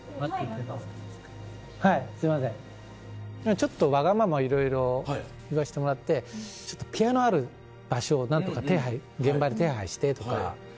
ちょっとわがままいろいろ言わせてもらってピアノある場所を何とか手配現場で手配してとか。